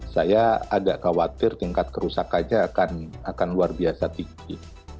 saya agak khawatir tingkat kerusakannya akan luar biasa tinggi